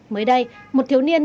mới đây một thiếu niên